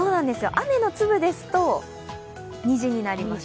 雨の粒ですと虹になります。